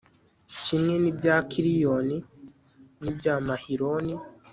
kimwe n'ibya kiliyoni, n'ibya mahiloni